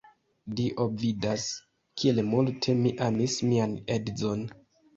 Dio vidas, kiel multe mi amis mian edzinon!